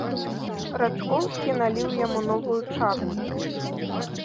Рачкоўскі наліў яму новую чарку.